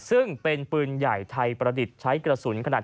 ซึ่งเป็นปืนใหญ่ไทยประดิษฐ์ใช้กระสุนขนาด